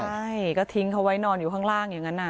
ใช่ก็ทิ้งเขาไว้นอนอยู่ข้างล่างอย่างนั้น